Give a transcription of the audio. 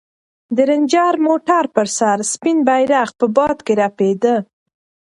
د رنجر موټر پر سر سپین بیرغ په باد کې رپېده.